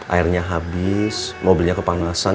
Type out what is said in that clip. airnya habis mobilnya kepanasan